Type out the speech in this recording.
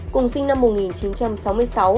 cùng sinh năm một nghìn chín trăm sáu mươi sáu